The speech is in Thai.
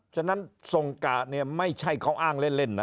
ฉะนั้นทรงกะเนี่ยไม่ใช่เขาอ้างเล่นนะ